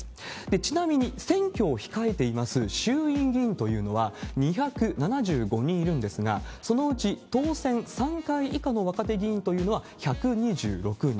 ちなみに、選挙を控えています衆院議員というのは、２７５人いるんですが、そのうち当選３回以下の若手議員というのは１２６人。